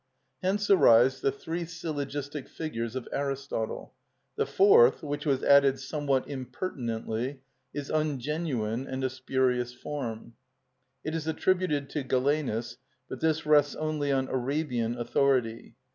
Hence arise the three syllogistic figures of Aristotle; the fourth, which was added somewhat impertinently, is ungenuine and a spurious form. It is attributed to Galenus, but this rests only on Arabian authority.